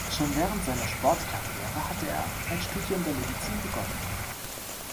Schon während seiner Sportkarriere hatte er ein Studium der Medizin begonnen.